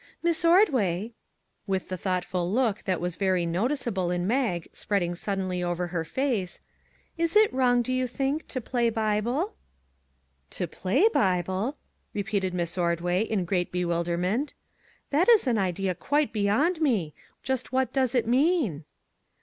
Miss Ordway " with the thoughtful look that was very noticeable in Mag spreading suddenly over her face " is it wrong, do you think, to play Bible ?"" To play Bible !" repeated Miss Ordway, in great bewilderment; " that is an idea quite be yond me. Just what does it mean